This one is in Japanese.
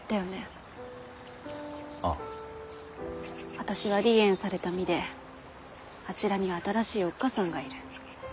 私は離縁された身であちらには新しいおっ母さんがいる。